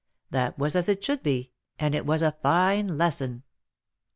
That was as it should be, and it was a fine lesson.